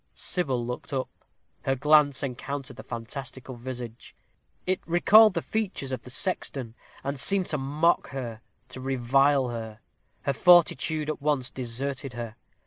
Sybil looked up her glance encountered the fantastical visage. It recalled the features of the sexton, and seemed to mock her to revile her. Her fortitude at once deserted her.